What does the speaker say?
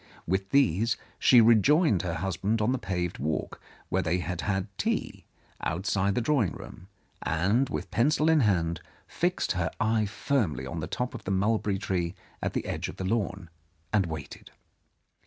With these she rejoined her husband on the paved walk, where they had had tea, outside the drawing room, and, with pencil in hand, fixed her eye firmly on the top of the mulberry tree at the edge of the lawn, and waited.